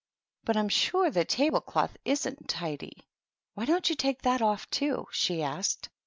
" But I'm sure the tahle cloth isn't tidy ! Why don't you take that off, too ?" she asked.